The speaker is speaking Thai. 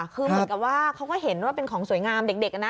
เขาก็เห็นว่าเป็นของสวยงามเด็กนะ